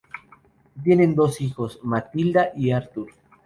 Tienen dos hijos, Matilda y Arthur.